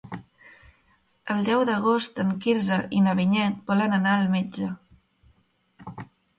El deu d'agost en Quirze i na Vinyet volen anar al metge.